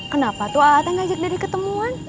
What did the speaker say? kenapa tuh ata ngajak dede ketemuan